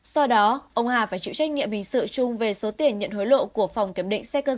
do đó ông hà phải chịu trách nhiệm hình sự chung về số tiền nhận hối lộ của phòng kiểm định xe cơ giới